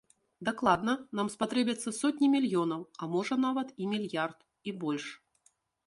Дакладна, нам спатрэбяцца сотні мільёнаў, а можа нават і мільярд, і больш.